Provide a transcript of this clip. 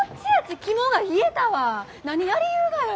何やりゆうがよ！